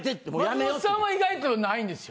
松本さんは意外とないんですよ。